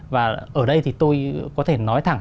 và ở đây tôi có thể nói thẳng